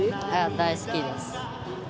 大好きです。